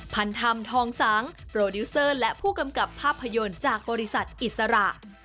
พันธรรมทองสังโปรดิวเซอร์และผู้กำกับภาพยนตร์จากบริษัทอิสระ